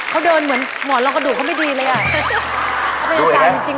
พี่โรย